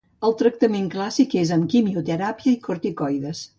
El tractament clàssic és amb quimioteràpia i corticoides.